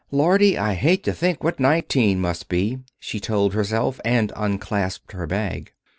"Lordy, I hate to think what nineteen must be," she told herself, and unclasped her bag.